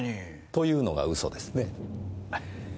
というのが嘘ですね？